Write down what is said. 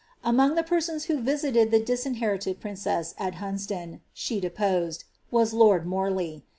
Among the persons who visited the disinherited princess at Hunsdonf »h* dejHised, was lord Miirley.